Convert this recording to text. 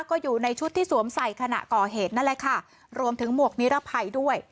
ก็อยู่ในชุดที่สวมใส่ขณะก่อเหตุนั่นแหละค่ะรวมถึงหมวกนิรภัยด้วย